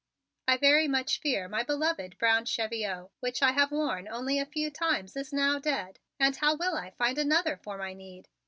"I very much fear my beloved brown cheviot, which I have worn only a few times, is now dead; and how will I find another for my need!"